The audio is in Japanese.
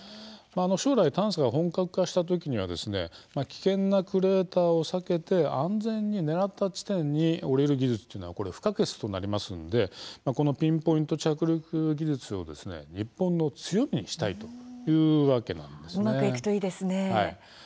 将来、探査が本格化した時には危険なクレーターを避けて安全に狙った地点に降りる技術というのは不可欠となりますのでこのピンポイント着陸技術を日本の強みにしたいうまくいくといいですね。